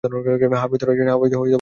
হ্যাঁ, ভেতরে আসেন।